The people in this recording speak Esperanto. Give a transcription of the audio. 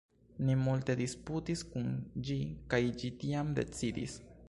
ni multe disputis kun ĝi kaj ĝi tiam decidis